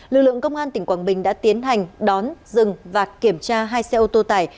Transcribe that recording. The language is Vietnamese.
lực lượng công an tỉnh quảng bình đã tiến hành đón dừng và kiểm tra hai xe ô tô tải